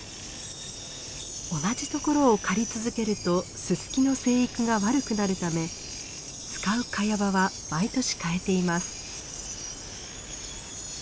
同じ所を刈り続けるとススキの成育が悪くなるため使うカヤ場は毎年替えています。